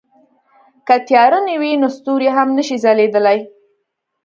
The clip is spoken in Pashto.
که تیاره نه وي نو ستوري هم نه شي ځلېدلی.